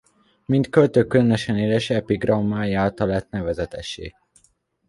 Mint költő különösen éles epigrammái által lett nevezetessé.